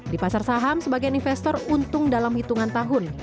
di pasar saham sebagian investor untung dalam hitungan tahun